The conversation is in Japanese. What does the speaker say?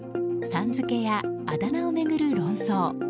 さん付けやあだ名を巡る論争。